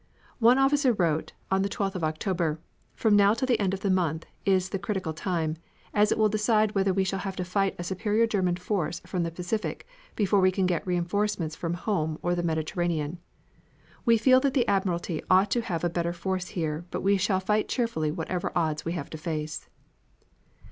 One officer wrote, on the 12th of October, "From now till the end of the month is the critical time, as it will decide whether we shall have to fight a superior German force from the Pacific before we can get reinforcements from home or the Mediterranean. We feel that the admiralty ought to have a better force here, but we shall fight cheerfully whatever odds we have to face."